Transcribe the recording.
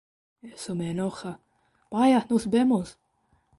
eso me enoja... ¡ vaya, nos vemos!...